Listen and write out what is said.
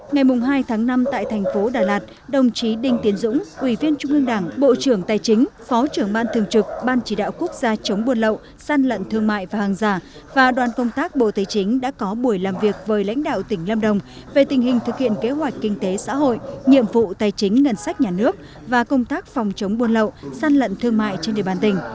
ngày hai tháng năm tại thành phố đà lạt đồng chí đinh tiến dũng quỳ viên trung ương đảng bộ trưởng tài chính phó trưởng ban thường trực ban chỉ đạo quốc gia chống buôn lậu săn lận thương mại và hàng giả và đoàn công tác bộ tài chính đã có buổi làm việc với lãnh đạo tỉnh lam đồng về tình hình thực hiện kế hoạch kinh tế xã hội nhiệm vụ tài chính ngân sách nhà nước và công tác phòng chống buôn lậu săn lận thương mại trên địa bàn tỉnh